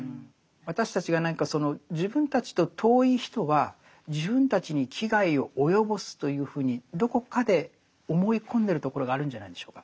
私たちが何かその自分たちと遠い人は自分たちに危害を及ぼすというふうにどこかで思い込んでるところがあるんじゃないんでしょうか。